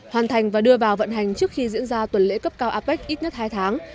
hoàn thành và đưa vào vận hành trước khi diễn ra tuần lễ cấp cao apec ít nhất hai tháng